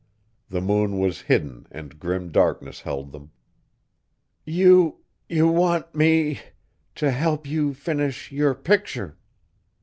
The moon was hidden and grim darkness held them. "You you want me to help you finish your picture!"